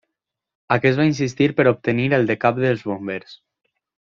Aquest va insistir per obtenir el de cap dels bombers.